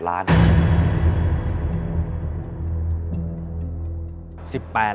๑๘ล้านบาท